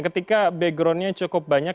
ketika backgroundnya cukup banyak